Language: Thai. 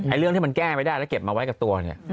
เรื่องที่มันแก้ไม่ได้แล้วเก็บมาไว้กับตัวเนี่ย